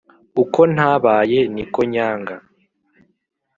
Uko ntabaye ni ko nyaga